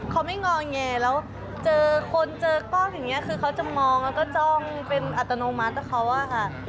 เขาไม่งอแงแล้วเจอคนเจอกล้องอย่างนี้คือเขาจะมองแล้วก็จ้องเป็นอัตโนมัติกับเขาอะค่ะ